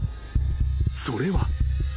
［それは］